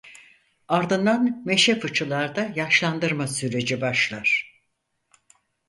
Ardından meşe fıçılarda yaşlandırma süreci başlar.